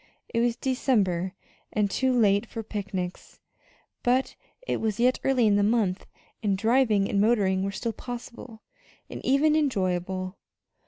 It was December, and too late for picnics, but it was yet early in the month, and driving and motoring were still possible, and even enjoyable.